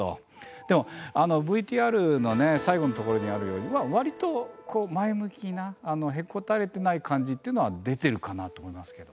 でもＶＴＲの最後のところにあるようにわりとこう前向きなへこたれてない感じっていうのは出てるかなと思いますけど。